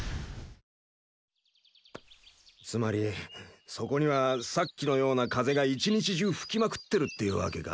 つまりそこにはさっきのような風が１日中吹きまくってるっていうわけか？